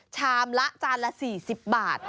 ชามละจานละ๔๐บาท